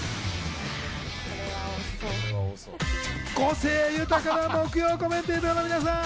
個性豊かな木曜コメンテーターの皆さん。